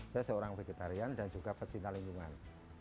saya seorang vegetarian dan juga pecinta lingkungan